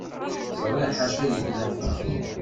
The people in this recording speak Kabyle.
Ẓriɣ ḥaca di tnafa.